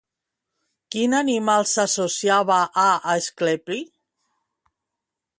Quin animal s'associava a Asclepi?